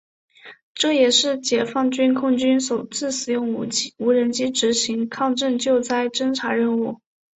这也是解放军空军首次使用无人机执行抗震救灾侦察任务。